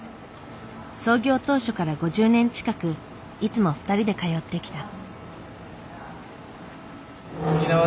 創業当初から５０年近くいつも２人で通ってきた。